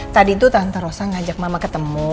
tadi tuh tante rosa ngajak mama ketemu